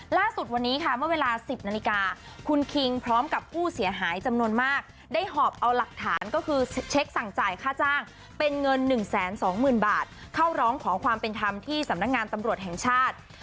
ล่าสุดวันนี้ค่ะเมื่อเวลา๑๐นาฬิกาคุณคิงพร้อมกับผู้เสียหายจำนวนมากได้หอบเอาหลักฐานก็คือเช็คสั่งจ่ายค่าจ้างเป็นเงิน๑๒๐๐๐บาทเข้าร้องขอความเป็นธรรมที่สำนักงานตำรวจแห่งชาติ